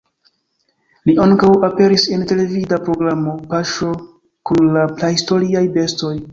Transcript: Li ankaŭ aperis en la televida programo "Paŝo kun la prahistoriaj bestoj".